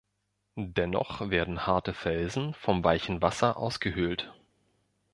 Dennoch werden harte Felsen vom weichen Wasser ausgehöhlt.